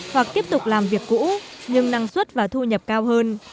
hoặc tiếp tục làm việc cũ nhưng năng suất và thu nhập cao hơn